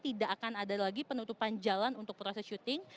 tidak akan ada lagi penutupan jalan untuk proses syuting